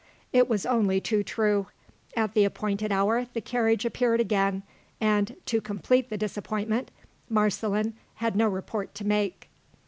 It was only too true. At the appointed hour the carriage appeared again and (to complete the disappointment) Marceline had no report to make.